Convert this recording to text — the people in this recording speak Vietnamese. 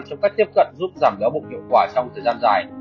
trong cách tiếp cận giúp giảm giáo mục hiệu quả trong thời gian dài